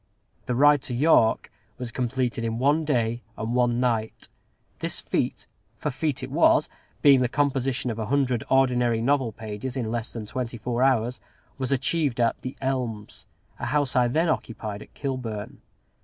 The Ride to York was completed in one day and one night. This feat for a feat it was, being the composition of a hundred ordinary novel pages in less than twenty four hours was achieved at "The Elms," a house I then occupied at Kilburn.